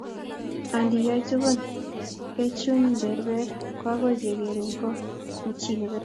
Andiyoe tugun kuchineberber, koagoi kegerin ko chi neberber